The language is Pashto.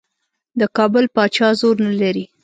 د کابل پاچا زور نه لري.